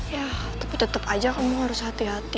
ya tetep tetep aja kamu harus hati hati